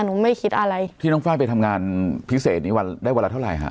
ไม่คิดอะไรที่น้องไฟล์ไปทำงานพิเศษนี้วันได้วันละเท่าไหร่ฮะ